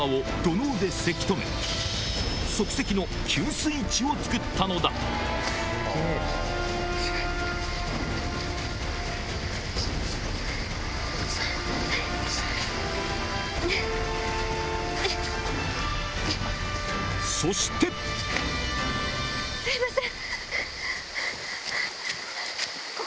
即席のそしてすいません！